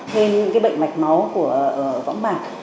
thêm những bệnh mạch máu của võng mạc